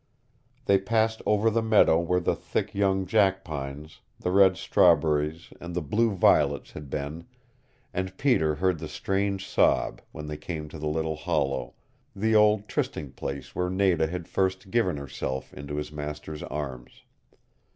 They passed over the meadow where the thick young jackpines, the red strawberries and the blue violets had been and Peter heard the strange sob when they came to the little hollow the old trysting place where Nada had first given herself into his master's arms.